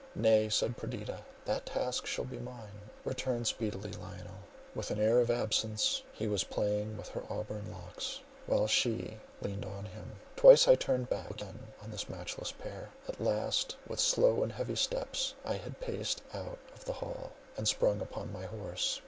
"Nay," said Perdita, "that task shall be mine. Return speedily, Lionel." With an air of absence he was playing with her auburn locks, while she leaned on him; twice I turned back, only to look again on this matchless pair. At last, with slow and heavy steps, I had paced out of the hall, and sprung upon my horse.